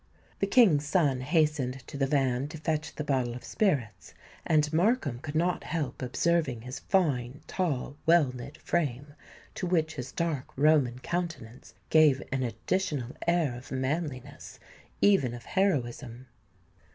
The King's son hastened to the van to fetch the bottle of spirits; and Markham could not help observing his fine, tall, well knit frame, to which his dark Roman countenance gave an additional air of manliness—even of heroism.